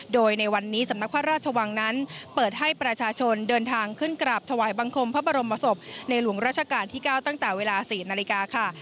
โดยในวันนี้สำนักพระราชวังนั้นเปิดให้ประชาชนเดินทางขึ้นกราบถวายบังคมพระบรมศพในหลวงราชการที่๙ตั้งแต่เวลา๔นาฬิกาค่ะ